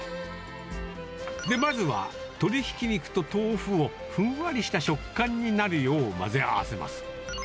まずは、鶏ひき肉と豆腐をふんわりした食感になるよう混ぜ合わせます。